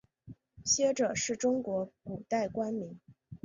谒者是中国古代官名。